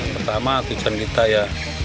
pertama tujuan kita ya